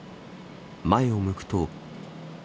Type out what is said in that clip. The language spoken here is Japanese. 前を向くと。